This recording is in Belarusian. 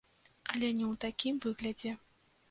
Але не ў такім выглядзе.